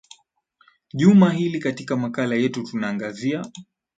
juma hili katika makala yetu tutaangazia